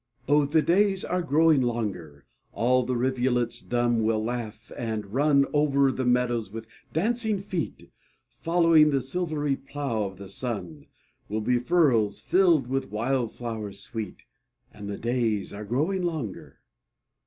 Oh, the days are growing longer, All the rivulets dumb will laugh, and run Over the meadows with dancing feet; Following the silvery plough of the sun, Will be furrows filled with wild flowers sweet: And the days are growing longer.